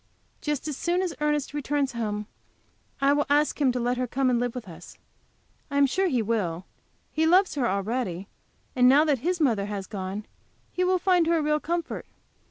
Just as soon as Ernest returns home I will ask him to let her come and live with us. I am sure he will; he loves her already, and now that his mother has gone he will find her a real comfort.